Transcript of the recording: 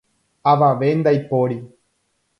Avave ndaipóri.